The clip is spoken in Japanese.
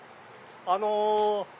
あの。